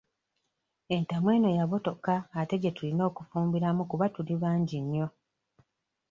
Entamu eno yabotoka ate gye tulina okufumbiramu kuba tuli bangi nnyo.